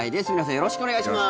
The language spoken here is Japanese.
よろしくお願いします。